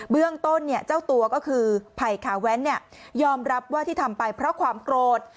เรื่องต้นเจ้าตัวก็คือไผ่ขาแว้นยอมรับว่าที่ทำไปเพราะความโกรธ